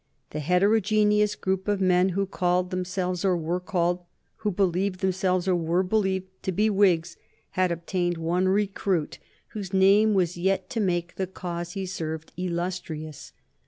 The heterogeneous group of men who called themselves or were called, who believed themselves or were believed to be Whigs, had obtained one recruit whose name was yet to make the cause he served illustrious.